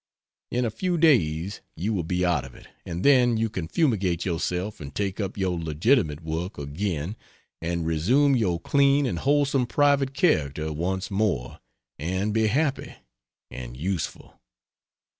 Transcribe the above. In a few days you will be out of it, and then you can fumigate yourself and take up your legitimate work again and resume your clean and wholesome private character once more and be happy and useful.